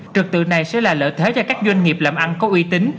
trực tự này sẽ là lợi thế cho các doanh nghiệp làm ăn có uy tín